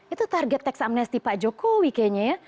itu target teks amnesti pak jokowi kayaknya ya